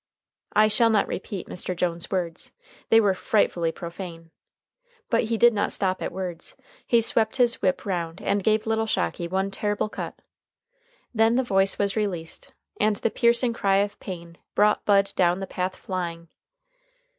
I shall not repeat Mr. Jones's words. They were frightfully profane. But he did not stop at words. He swept his whip round and gave little Shocky one terrible cut. Then the voice was released, and the piercing cry of pain brought Bud down the path flying.